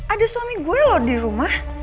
ada suami gue loh di rumah